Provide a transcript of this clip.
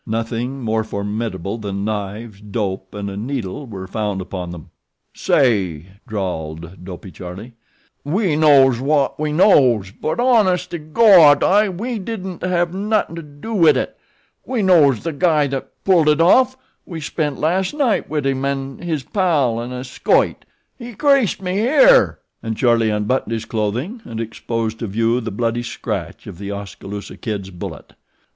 Nothing more formidable than knives, dope, and a needle were found upon them. "Say," drawled Dopey Charlie. "We knows wot we knows; but hones' to gawd we didn't have nothin' to do wid it. We knows the guy that pulled it off we spent las' night wid him an' his pal an' a skoit. He creased me, here," and Charlie unbuttoned his clothing and exposed to view the bloody scratch of The Oskaloosa Kid's bullet.